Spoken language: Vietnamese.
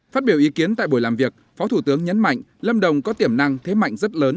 phát biểu ý kiến tại buổi làm việc phó thủ tướng nhấn mạnh lâm đồng có tiềm năng thế mạnh rất lớn